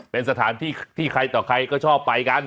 เป็นสถานที่ที่ใครต่อใครก็ชอบไปกัน